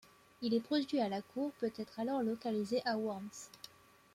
Il est produit à la cour, peut-être alors localisée à Worms.